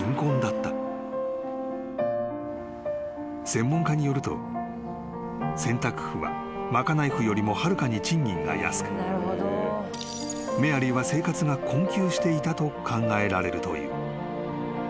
［専門家によると洗濯婦は賄い婦よりもはるかに賃金が安くメアリーは生活が困窮していたと考えられるという］